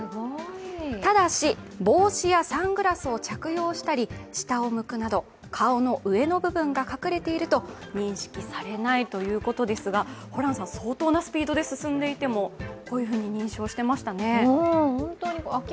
ただし帽子やサングラスを着用したり下を向くなど顔の上の部分が隠れていると認識されないということですがホランさん、相当なスピードで進んでいても、認証していましたね。